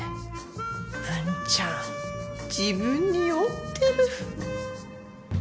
文ちゃん自分に酔ってる。